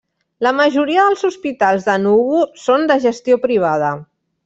La majoria dels hospitals d'Enugu són de gestió privada.